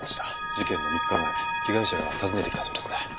事件の３日前被害者が訪ねてきたそうですね。